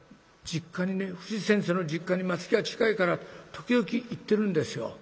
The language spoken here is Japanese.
実家にね藤先生の実家に松木が近いから時々行ってるんですよ